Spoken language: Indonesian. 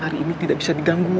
hari ini tidak bisa diganggu